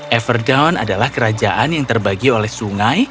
everdown adalah kerajaan yang terbagi oleh sungai